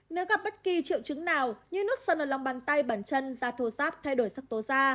nếu gặp bất kỳ triệu chứng nào như nước sân ở long bàn tay bàn chân da thô sáp thay đổi sắc tố da